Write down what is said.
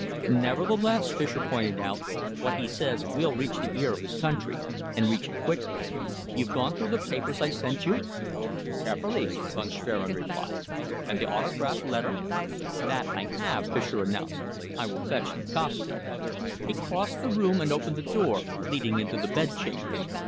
"Nevertheless," Fischer pointed out, "what he says will reach the ear of his country, and reach it quickly. You've gone through the papers I sent you?" "Carefully," Von Schwerin replied. "And the autograph letter?" "That I have," Fischer announced. "I will fetch Nikasti." He crossed the room and opened the door leading into the bedchambers.